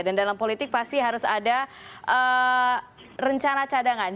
dan dalam politik pasti harus ada rencana cadangan